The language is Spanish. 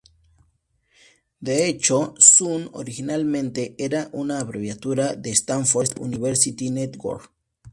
De hecho, "Sun" originariamente era una abreviatura de "Stanford University Network".